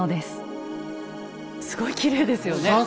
すごいきれいですよね。